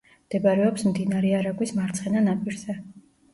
მდებარეობს მდინარე არაგვის მარცხენა ნაპირზე.